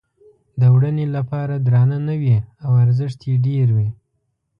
د وړنې لپاره درانده نه وي او ارزښت یې ډېر وي.